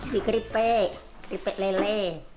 di keripik keripik lele